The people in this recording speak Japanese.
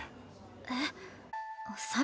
えっ。